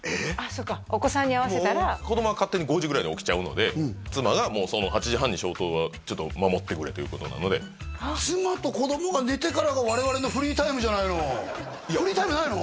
そっかお子さんに合わせたら子供は勝手に５時ぐらいに起きちゃうので妻が８時半に消灯は守ってくれということなので妻と子供が寝てからが我々のフリータイムじゃないのフリータイムないの？